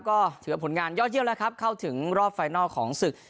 ก็ถือว่าผลงานยอดเยี่ยมแล้วครับเข้าถึงรอบไฟนอลของศึก